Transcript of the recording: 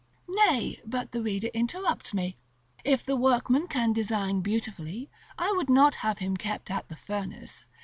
§ XXI. Nay, but the reader interrupts me, "If the workman can design beautifully, I would not have him kept at the furnace.